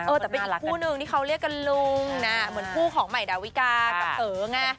เออแต่เป็นผู้หนึ่งที่เขาเรียกกันลุงนะเหมือนผู้ของใหม่ดาวิกากับเผลอไง